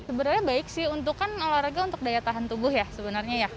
sebenarnya baik sih untuk kan olahraga untuk daya tahan tubuh ya sebenarnya ya